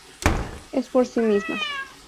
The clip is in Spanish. Es por sí misma.